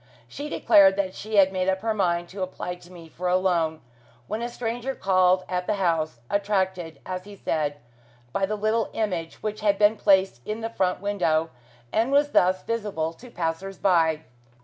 She declared that she had made up her mind to apply to me for a loan, when a stranger called at the house, attracted, as he said, by the little image, which had been placed in the front window, and was thus visible to passers by.